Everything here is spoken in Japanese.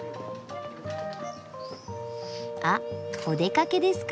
あっお出かけですか？